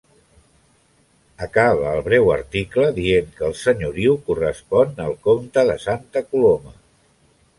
Acaba el breu article dient que el senyoriu correspon al Comte de Santa Coloma.